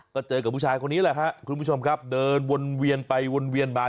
ก็เจอกับผู้ชายคนนี้แหละครับคุณผู้ชมครับเดินวนเวียนไปวนเวียนมา